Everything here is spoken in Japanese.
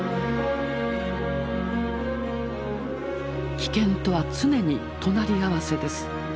危険とは常に隣り合わせです。